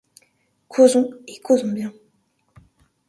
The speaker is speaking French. Causons et causons bien.